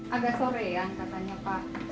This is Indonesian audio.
agak sore ya katanya pak